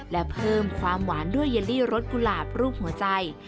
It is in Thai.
และเพิ่มความหวานด้วยเยลลี่รสกุหลาบรูปหัวใจ